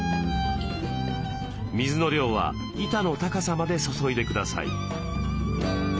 水の量は板の高さまで注いでください。